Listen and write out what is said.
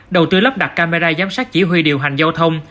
đầu tư lắp đặt camera giám sát chỉ huy điều hành giao thông